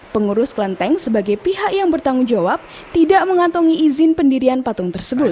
pengurus kelenteng sebagai pihak yang bertanggung jawab tidak mengantongi izin pendirian patung tersebut